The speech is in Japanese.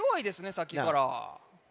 さっきから。